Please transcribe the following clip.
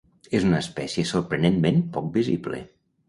És una espècie sorprenentment poc visible.